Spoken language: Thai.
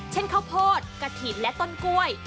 เช่นข้าวโพดกะถีดและต้นกล้วย